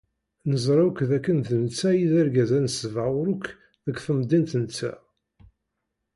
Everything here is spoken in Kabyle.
Neẓra akk dakken d netta ay d argaz anesbaɣur akk deg temdint-nteɣ.